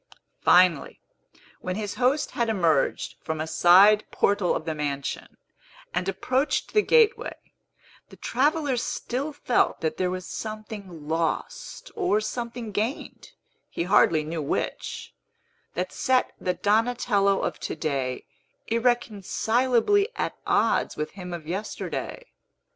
Finally, when his host had emerged from a side portal of the mansion, and approached the gateway, the traveller still felt that there was something lost, or something gained (he hardly knew which), that set the Donatello of to day irreconcilably at odds with him of yesterday.